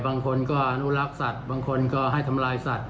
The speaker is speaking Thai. บางคนก็อนุรักษ์สัตว์บางคนก็ให้ทำลายสัตว